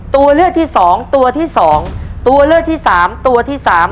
ตัวเลือกที่สองตัวที่สองตัวเลือกที่สามตัวที่สาม